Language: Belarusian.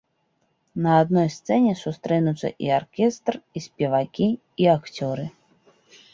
На адной сцэне сустрэнуцца і аркестр, і спевакі, і акцёры.